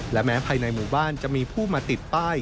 และแม้ภายในหมู่บ้านจะมีผู้มาติดป้าย